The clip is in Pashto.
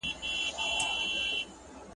ډیپلوماټیک مهارتونه په نړیواله کچه پیژندل کیږي.